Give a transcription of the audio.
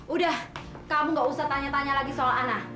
udah kamu nggak usah tanya tanya lagi soal ana